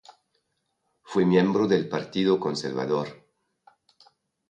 Fue miembro del Partido Conservador.